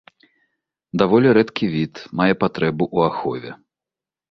Даволі рэдкі від, мае патрэбу ў ахове.